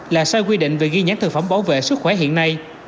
là sai quy định về ghi nhãn thực phẩm bảo vệ sức khỏe hiện nay